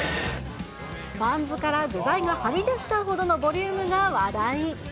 バンズから具材がはみ出しちゃうほどのボリュームが話題。